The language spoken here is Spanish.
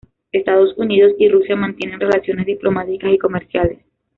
Estados Unidos y Rusia mantienen relaciones diplomáticas y comerciales.